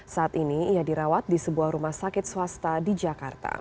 saat ini ia dirawat di sebuah rumah sakit swasta di jakarta